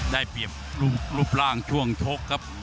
ได้เปรียบรูปร่างช่วงชกครับ